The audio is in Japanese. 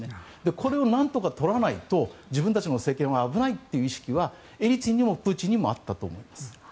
これを何とかとらないと自分たちの政権は危ないという意識はエリツィンにもプーチンにもあったと思います。